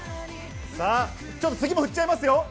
さあ、ちょっと次も振っちゃいますよ。